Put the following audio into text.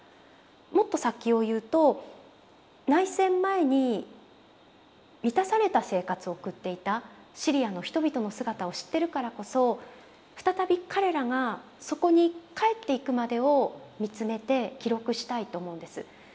もっと先を言うと内戦前に満たされた生活を送っていたシリアの人々の姿を知ってるからこそ再び彼らがそこに帰っていくまでをみつめて記録したいと思うんです。